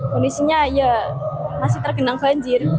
kondisinya ya masih tergenang banjir